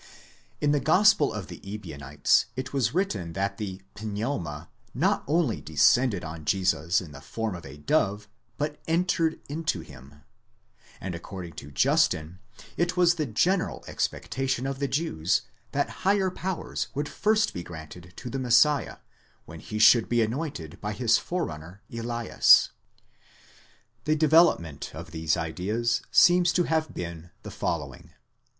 In the Gospel of the Ebionites it was written that the πνεῦμα not only descended on Jesus in the form of a dove, but entered into him ;7 and according to Justin, it was the general expectation of the Jews, that higher powers would first be granted to the Messiah, when he should be anointed by his forerunner Elias.® The development of these ideas seems to have been the following.